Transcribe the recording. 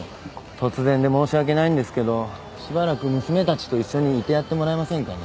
突然で申し訳ないんですけどしばらく娘たちと一緒にいてやってもらえませんかね？